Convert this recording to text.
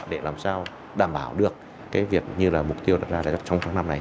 để làm sao đảm bảo được việc như mục tiêu đặt ra trong tháng năm này